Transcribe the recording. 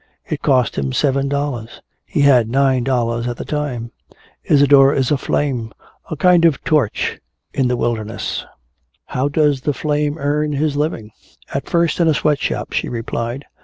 It cost him seven dollars. He had nine dollars at the time. Isadore is a flame, a kind of a torch in the wilderness." "How does the flame earn his living?" "At first in a sweatshop," she replied.